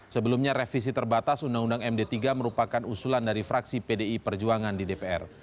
sebelumnya revisi terbatas undang undang md tiga merupakan usulan dari fraksi pdi perjuangan di dpr